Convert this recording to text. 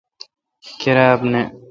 کیراب نہ۔